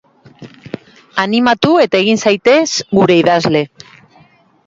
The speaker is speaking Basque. Animatu eta egin zaitez gure idazle!